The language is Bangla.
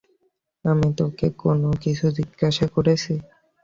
আমি তোকে কোন কিছু জিজ্ঞাসা করেছি?